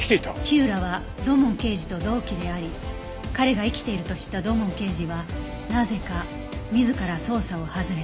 火浦は土門刑事と同期であり彼が生きていると知った土門刑事はなぜか自ら捜査を外れた